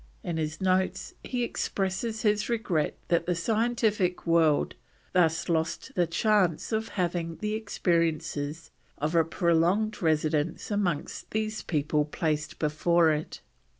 In his notes he expresses his regret that the scientific world thus lost the chance of having the experiences of a prolonged residence amongst these people placed before it.